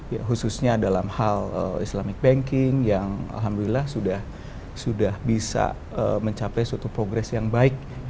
ya khususnya dalam hal islamic banking yang alhamdulillah sudah bisa mencapai suatu progres yang baik